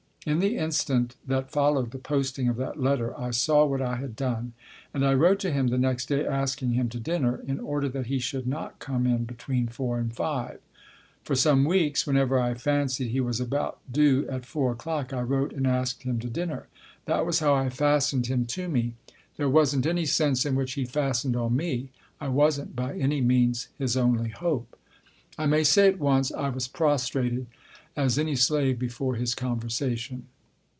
/ In the instant that followed the posting of that letter 1 saw what I had done. And I wrote to him the next day asking him to dinner, in order that he should not come in between four and five. For some weeks, when ever I fancied he was about due at four o'clock, I wrote and asked him to dinner. That was how I fastened him Book I : My Book 23 to me. There wasn't any sense in which he fastened on me. I wasn't by any means his only hope. I may say at once I was prostrated as any slave before his conversation.